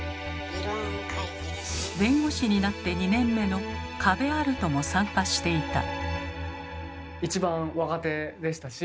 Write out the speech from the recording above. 弁護士になって２年目の加部歩人も参加していた。